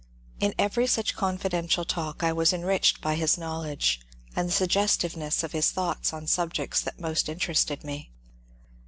In every such confidential talk I was enriched by his knowledge and the suggestiveness of his thought on subjects that most inter ested me.